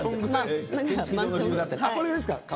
これですか？